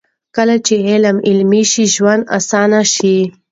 کله چې علم عملي شي، ژوند اسانه شي.